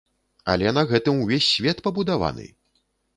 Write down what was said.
Але на гэтым увесь свет пабудаваны!